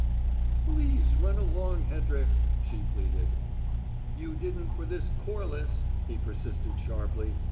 "Please run along, Hedrick," she pleaded. "You didn't for this Corliss," he persisted sharply.